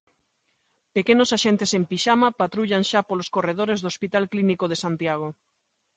Pequenos axentes en pixama patrullan xa polos corredores do Hospital Clínico de Santiago.